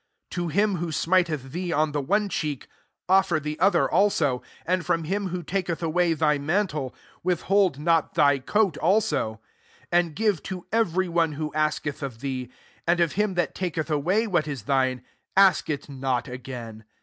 29 To him who smiteth thee on the one cheeky offer the other also : and from him who taketh away thy man tle, withhold not thy coat ako* SO And give to every one who asketh of thee; and of him that taketh away w^/ f« thine, ask it not again.